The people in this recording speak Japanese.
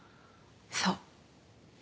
そう。